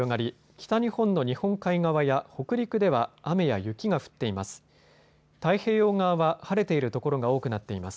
北日本の日本海側や北陸では雨や雪が降っています。